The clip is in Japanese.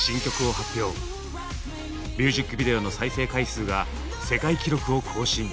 ミュージックビデオの再生回数が世界記録を更新！